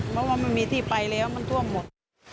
เพราะว่าไม่มีที่ไปเลยอะมันทั่วหมด